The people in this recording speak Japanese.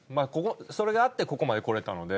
それがあってここまでこれたので。